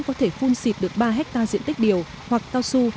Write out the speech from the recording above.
có thể phun xịt được ba hectare diện tích điều hoặc cao su